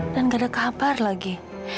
dan gak ada kabar lagi